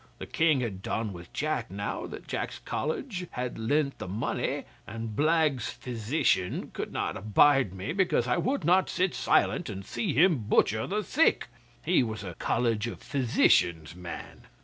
The King had done with Jack now that Jack's College had lent the money, and Blagge's physician could not abide me because I would not sit silent and see him butcher the sick. (He was a College of Physicians man!)